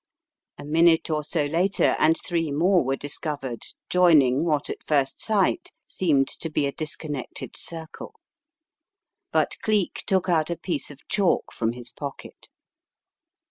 A minute or so later and three more were discovered joining what at first sight seemed to be a disconnected circle. But Cleek took out a piece of chalk from his pocket.